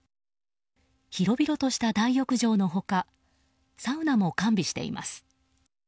広々とした大浴場の他サウナも完備しています。